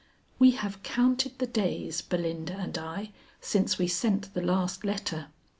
"We have counted the days, Belinda and I, since we sent the last letter.